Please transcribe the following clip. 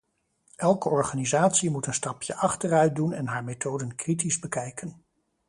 Elke organisatie moet een stapje achteruit doen en haar methoden kritisch bekijken.